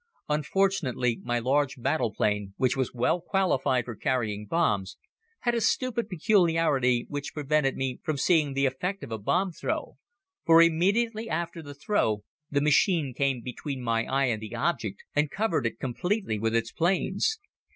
Unfortunately my large battle plane, which was well qualified for carrying bombs, had a stupid peculiarity which prevented me from seeing the effect of a bomb throw, for immediately after the throw the machine came between my eye and the object and covered it completely with its planes.